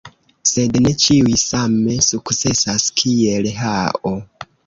Sed ne ĉiuj same sukcesas kiel Hao.